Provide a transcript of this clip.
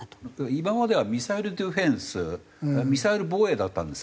今まではミサイルディフェンスミサイル防衛だったんです。